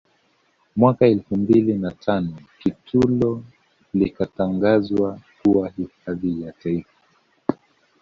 Mwaka elfu mbili na tano Kitulo likatangazwa kuwa hifadhi ya Taifa